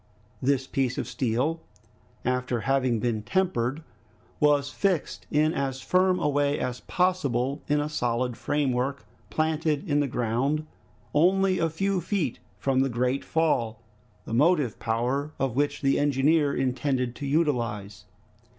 This piece of steel, after having been tempered, was fixed in as firm a way as possible in a solid framework planted in the ground, only a few feet from the great fall, the motive power of which the engineer intended to utilize.